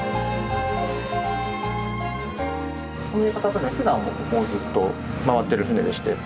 この屋形船ふだんもここをずっと回ってる船でして。